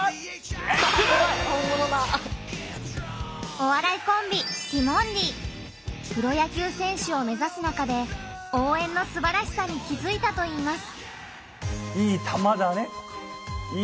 お笑いコンビプロ野球選手を目指す中で「応援」のすばらしさに気づいたといいます。